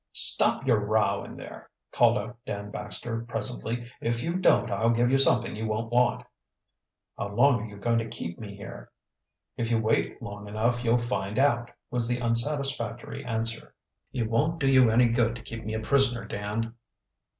"Stop your row in there!" called out Dan Baxter presently. "If you don't, I'll give you something you won't want." "How long are you going to keep me here?" "If you wait long enough you'll find out," was the unsatisfactory answer. "It won't do you any good to keep me a prisoner, Dan."